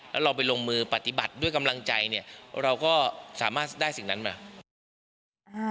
แล้วเราไปลงมือปฏิบัติด้วยกำลังใจเนี่ยเราก็สามารถได้สิ่งนั้นมานะครับ